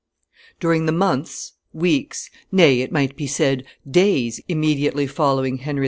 During the months, weeks, nay, it might be said, days immediately mediately following Henry IV.